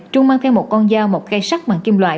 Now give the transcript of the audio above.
trung mang theo một con dao một cây sắt bằng kim loại